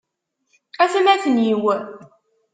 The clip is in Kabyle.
Atmaten-iw!